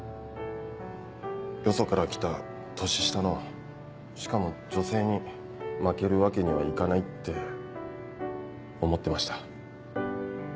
よそから来た年下のしかも女性に負けるわけにはいかないって思ってました。